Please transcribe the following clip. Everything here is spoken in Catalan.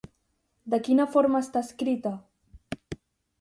De quina forma està escrita?